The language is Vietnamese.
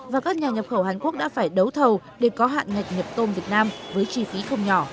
và các nhà nhập khẩu hàn quốc đã phải đấu thầu để có hạn ngạch nhập tôm việt nam với chi phí không nhỏ